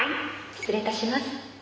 失礼いたします。